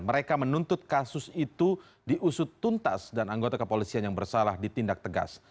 mereka menuntut kasus itu diusut tuntas dan anggota kepolisian yang bersalah ditindak tegas